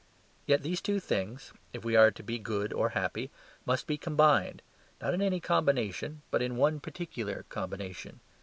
Yet these two things (if we are to be good or happy) must be combined, not in any combination, but in one particular combination.